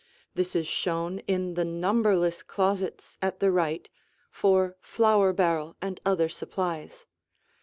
This is shown in the numberless closets at the right, for flour barrel and other supplies.